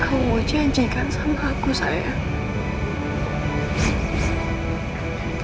kamu mau janjikan sama aku sayang